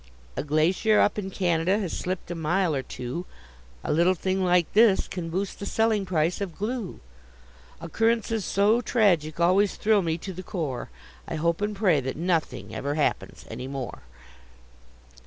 A glacier up in Canada has slipped a mile or two A little thing like this can boost the selling price of glue. Occurrences so tragic always thrill me to the core; I hope and pray that nothing ever happens any more.